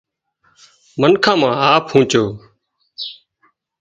منک مان هاهَه پونچو